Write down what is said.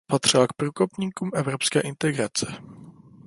Patřila k průkopníkům evropské integrace.